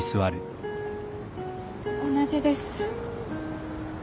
同じです。